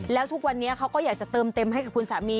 แล้วทุกวันนี้เขาก็อยากจะเติมเต็มให้กับคุณสามี